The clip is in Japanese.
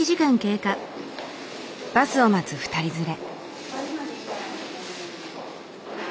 バスを待つ２人連れ。